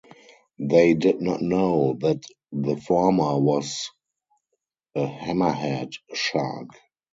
They did not know that the former was a hammerhead shark.